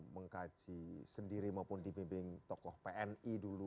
mengkaji sendiri maupun di pimpin tokoh pni dulu